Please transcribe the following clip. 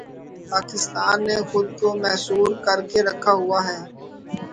پاکستان نے خود کو محصور کر کے رکھا ہوا ہے۔